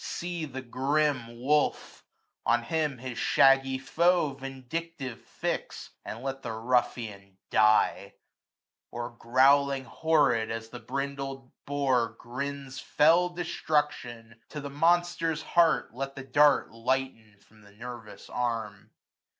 See the grim wolf; on him his shaggy foe 465 Vindictive fix, and let the ruffian die : Or, growling horrid, as the brindled boar Grins fell destruction, to the monster's heart Let the dart lighten from the nervous arm.